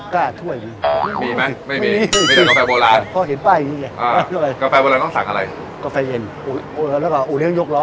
ขายดีขนาดนี้เดี๋ยวขอพูดหัวเข้าไปในครัวดีกว่า